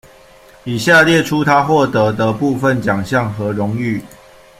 以下列出他获得的部分奖项和荣誉：